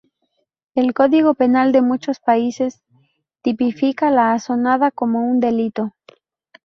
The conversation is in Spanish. El código penal de muchos países tipifica la asonada como un delito.